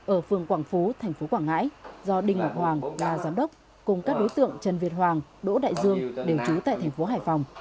ở phường quảng phú tp quảng ngãi do đinh ngọc hoàng giám đốc cùng các đối tượng trần việt hoàng đỗ đại dương đều trú tại thành phố hải phòng